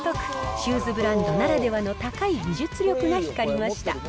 シューズブランドならではの高い技術力が光りました。